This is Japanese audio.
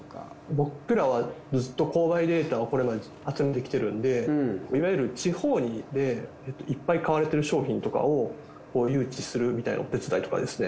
僕らはずっと購買データをこれまで集めてきてるんでいわゆる地方にいていっぱい買われてる商品とかを誘致するみたいなお手伝いとかですね。